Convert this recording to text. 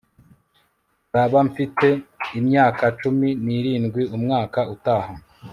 nzaba mfite imyaka cumi n'irindwi umwaka utaha